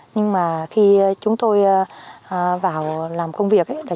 nhưng mà khi chúng tôi vào làm công việc chúng tôi cảm thấy rất là tốt